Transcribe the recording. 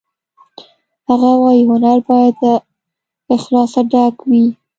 هغه وایی هنر باید له اخلاصه ډک وي